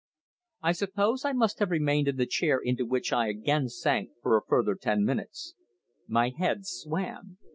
I suppose I must have remained in the chair into which I again sank for a further ten minutes. My head swam.